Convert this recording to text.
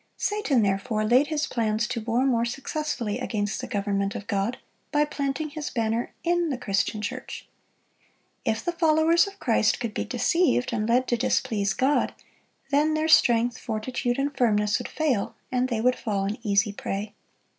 Satan therefore laid his plans to war more successfully against the government of God, by planting his banner in the Christian church. If the followers of Christ could be deceived, and led to displease God, then their strength, fortitude, and firmness would fail, and they would fall an easy prey.